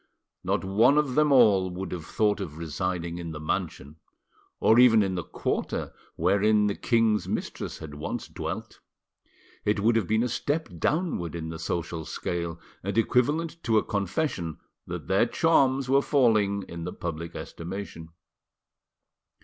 Not one of them all would have thought of residing in the mansion, or even in the quarter, wherein the king's mistress had once dwelt. It would have been a step downward in the social scale, and equivalent to a confession that their charms were falling in the public estimation.